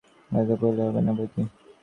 ললিতা কহিল, হবে না বৈকি!